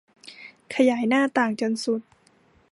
ขยายหน้าต่างจนสุด